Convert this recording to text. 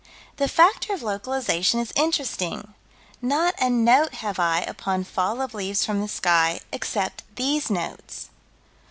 The factor of localization is interesting. Not a note have I upon fall of leaves from the sky, except these notes.